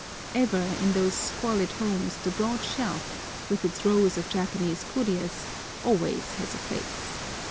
Ever, in those squalid homes the broad shelf, with its rows of Japanese curios, always has a place.